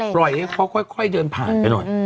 ปล่อยให้เขาค่อยเดินผ่านไปหน่อย